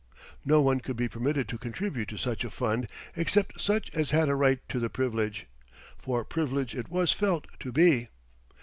No one could be permitted to contribute to such a fund except such as had a right to the privilege, for privilege it was felt to be.